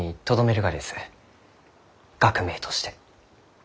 学名として。